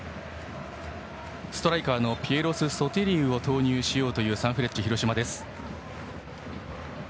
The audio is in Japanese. ストライカーのピエロス・ソティリウを投入しようというサンフレッチェ広島です。